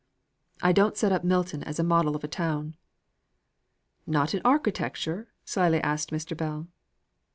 "I don't set up Milton as a model of a town." "Not in architecture?" slyly asked Mr. Bell.